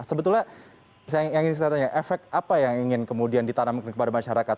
sebetulnya saya ingin ditanyakan efek apa yang ingin kemudian ditanamkan kepada masyarakat